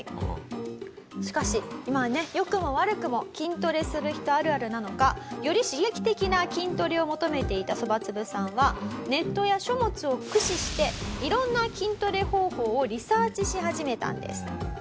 しかしまあね良くも悪くも筋トレする人あるあるなのかより刺激的な筋トレを求めていたそばつぶさんはネットや書物を駆使して色んな筋トレ方法をリサーチし始めたんです。